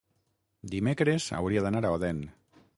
dimecres hauria d'anar a Odèn.